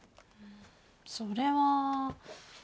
それは。